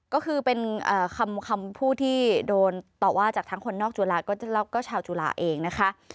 ก็คือเป็นคำพูดที่โดนต่อว่าจากทั้งคนนอกจุฬาแล้วก็ชาวจุฬาเองนะคะ